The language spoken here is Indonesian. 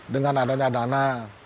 dengan adanya dana